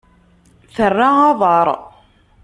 Terra aḍar.